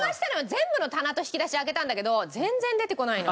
全部の棚と引き出し開けたんだけど全然出てこないの。